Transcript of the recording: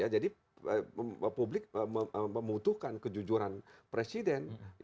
publik membutuhkan kejujuran presiden